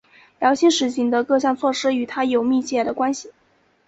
姚兴实行的各项措施与他有密切的关系。